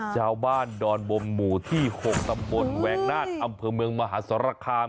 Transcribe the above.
ชาวบ้านดอนบมหมู่ที่๖ตำบลแวงนาศอำเภอเมืองมหาสารคาม